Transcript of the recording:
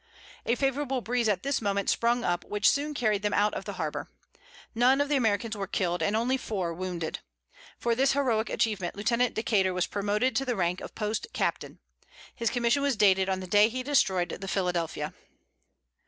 A favorable breeze at this moment sprung up, which soon carried them out of the harbor. None of the Americans were killed, and only four wounded. For this heroic achievement Lieutenant Decater was promoted to the rank of post captain. His commission was dated on the day he destroyed the Philadelphia.